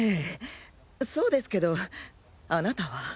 そうですけどあなたは？